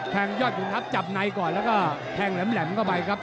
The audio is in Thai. ยอดขุนทัพจับในก่อนแล้วก็แทงแหลมเข้าไปครับ